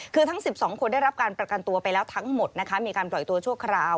คือทั้ง๑๒คนได้รับการประกันตัวไปแล้วทั้งหมดนะคะมีการปล่อยตัวชั่วคราว